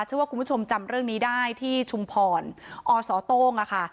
เชื่อว่าคุณผู้ชมจำเรื่องนี้ได้ที่ชุมพรอสโต้งอะค่ะ